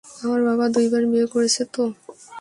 আমার বাবা দুইবার বিয়ে করেছে তো।